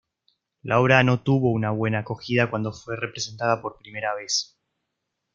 La obra no tuvo una buena acogida cuando fue representada por primera vez.